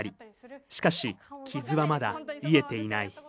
しかし、傷はまだ癒えていない。